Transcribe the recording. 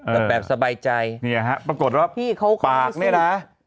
เออแบบแบบสบายใจเนี่ยฮะปรากฏน่ะ